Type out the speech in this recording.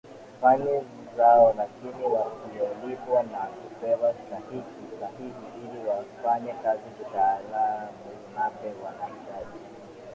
fani zao lakini wasiolipwa na kupewa stahiki sahihi ili wafanye kazi kitaalamu Nape anahitaji